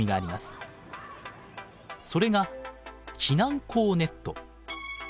それが「避難校ネット」。